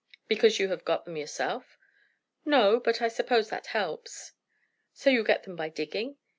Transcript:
"Because you have got them yourself!" "No; but I suppose that helps." "So you get them by digging?"